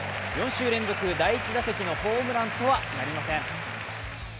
４週連続第１打席のホームランとはなりません。